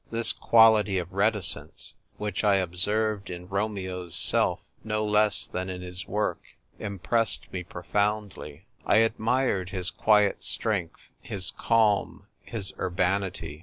This quality of reticence, which I observed in Romeo's self no less than in his work, impressed me profoundly. I admired his quiet strength, his calm, his urbanity.